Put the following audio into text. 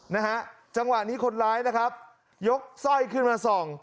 นะฮะจังหวะนี้คนร้ายนะครับยกสร้อยขึ้นมาส่อง